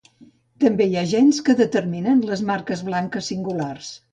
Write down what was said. També hi ha gens que determinen les marques blanques singulars.